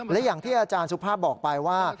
และอย่างที่อาจารย์สุภาพบอกไปว่า